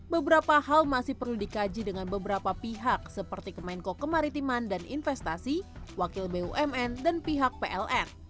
beberapa hal masih perlu dikaji dengan beberapa pihak seperti kemenko kemaritiman dan investasi wakil bumn dan pihak pln